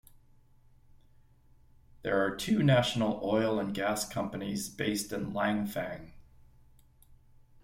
There are two national oil and gas companies based in Langfang.